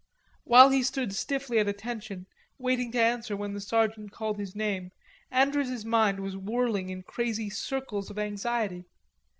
While he stood stiffly at attention waiting to answer when the sergeant called his name, Andrews's mind was whirling in crazy circles of anxiety.